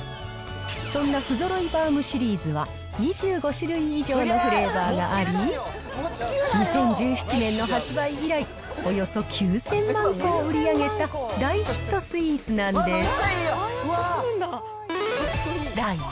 そんな不揃いバウムシリーズは２５種類以上のフレーバーがあり、２０１７年の発売以来、およそ９０００万個を売り上げた大ヒットスイーツなんです。